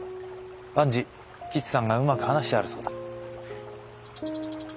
万事吉さんがうまく話してあるそうだ。